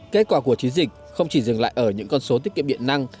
kết quả của chiến dịch không chỉ dừng lại ở những con số tiết kiệm điện năng